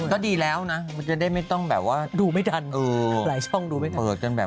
ก็ดีแล้วนะมันจะได้ไม่ต้องแบบว่าดูไม่ทันหลายช่องดูไม่ทันเปิดกันแบบ